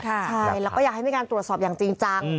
ใช่แล้วก็อยากให้มีการตรวจสอบอย่างจริงจัง